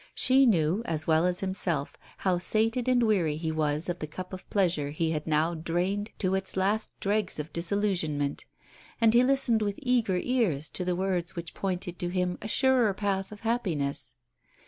She knew, as well as himself, how sated and weary he was of the cup of pleasure he had now drained to its last dregs of disillusionment; and he listened with eager ears to the words which pointed to him a surer path of happiness.